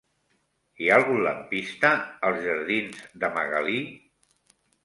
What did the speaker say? Hi ha algun lampista als jardins de Magalí?